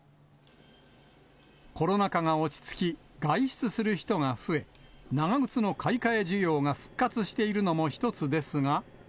コロナ禍が落ち着き、外出する人が増え、長靴の買い替え需要が復活しているのも一つですが。